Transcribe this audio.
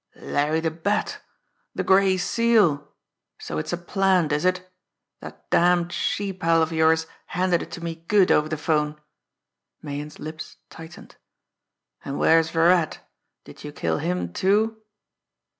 "Larry the Bat the Gray Seal! So it's a plant, is it! That damned she pal of yours handed it to me good over the 'phone!" Meighan's lips tightened. "And where's Virat did you kill him, too?"